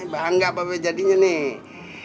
bangga babe jadinya nih